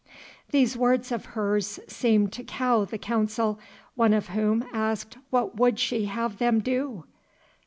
These words of hers seemed to cow the Council, one of whom asked what would she have them do?